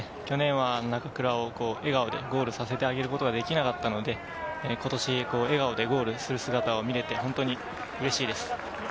去年は中倉を笑顔でゴールさせることができなかったので、今年、笑顔でゴールする姿を見られて本当に嬉しいです。